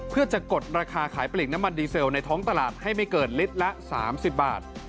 เพื่อจะกดราคาขายปลีกน้ำมันดีเซลในท้องตลาดให้ไม่เกินลิตรละ๓๐บาท